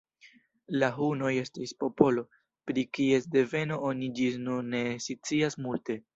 La hunoj estis popolo, pri kies deveno oni ĝis nun ne scias multe.